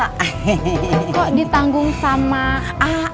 kok ditanggung sama a a